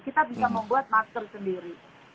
kita bisa membuat masker sendiri